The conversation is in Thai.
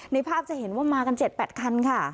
ภาพจะเห็นว่ามากัน๗๘คันค่ะ